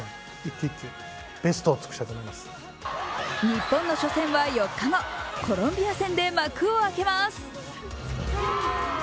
日本の初戦は４日後、コロンビア戦で幕を開けます。